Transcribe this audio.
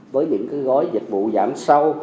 với những cái gói dịch vụ giảm sâu